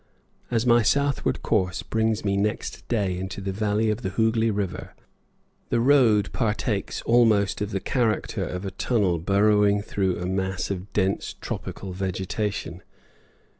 As my southward course brings me next day into the valley of the Hooghli River, the road partakes almost of the character of a tunnel burrowing through a mass of dense tropical vegetation.